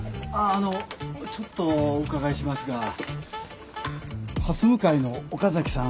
あのちょっとお伺いしますがはす向かいの岡崎さん